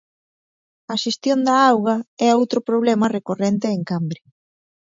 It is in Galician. A xestión da auga é outro problema recorrente en Cambre.